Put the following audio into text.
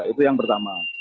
itu yang pertama